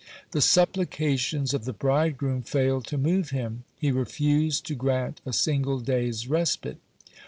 The supplications of the bridegroom failed to move him; he refused to grant a single day's respite.